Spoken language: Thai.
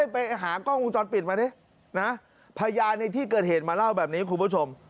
ไปหากล้องวงจรปิดมาดินะพยานในที่เกิดเหตุมาเล่าแบบนี้คุณผู้ชม